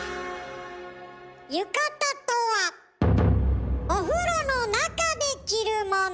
浴衣とはお風呂の中で着るもの。